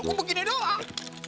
gue begini doang